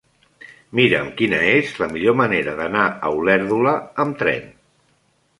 Mira'm quina és la millor manera d'anar a Olèrdola amb tren.